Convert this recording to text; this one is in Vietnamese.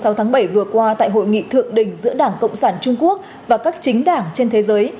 thưa quý vị vào ngày sáu tháng bảy vừa qua tại hội nghị thượng đình giữa đảng cộng sản trung quốc và các chính đảng trên thế giới